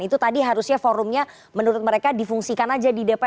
itu tadi harusnya forumnya menurut mereka difungsikan aja di dpr